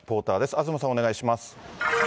東さん、お願いします。